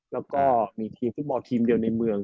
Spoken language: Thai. แล้วก็มีทีมฟุตบอลทีมเดียวในเมือง